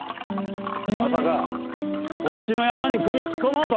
まさかこっちのヤマに首突っ込もうと？